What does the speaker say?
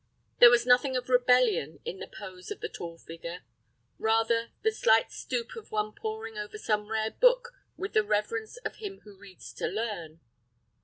There was nothing of rebellion in the pose of the tall figure—rather, the slight stoop of one poring over some rare book with the reverence of him who reads to learn.